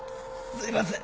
すいません